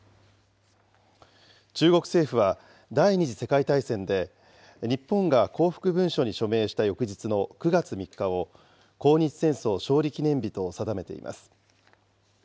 中国政府は第２次世界大戦で、日本が降伏文書に署名した翌日の９月３日を、抗日戦争勝利記念日と定めています。